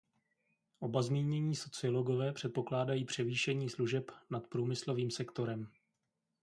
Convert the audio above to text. Oba zmínění sociologové předpokládají převýšení služeb nad průmyslovým sektorem.